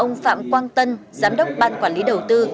ông phạm quang tân giám đốc ban quản lý đầu tư